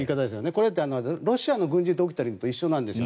これってロシアの軍事ドクトリンと一緒なんです。